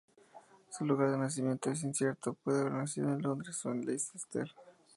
Su lugar de nacimiento es incierto, puede haber nacido en Londres o en Leicester.